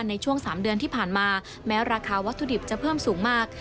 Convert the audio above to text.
ในช่วง๓เดือนที่ผ่านมาแม้ราคาวัตถุดิบจะเพิ่มสูงมาก